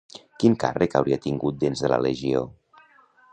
Quin càrrec hauria tingut dins de la legió?